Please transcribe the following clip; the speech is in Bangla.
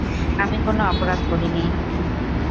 আমি কোনো অপরাধ করিনি।